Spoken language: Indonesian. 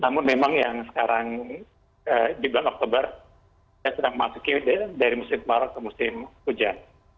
namun memang yang sekarang di bulan oktober kita sedang memasuki dari musim maret ke musim hujan